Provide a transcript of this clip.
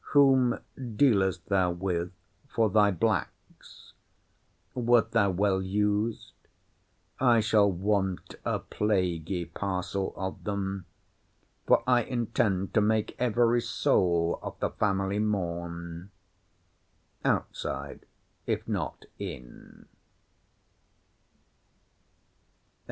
Whom dealest thou with for thy blacks?—Wert thou well used?—I shall want a plaguy parcel of them. For I intend to make every soul of the family mourn—outside, if not in.